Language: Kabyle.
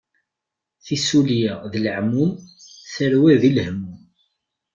Tissulya d leɛmum, tarwa di lehmum.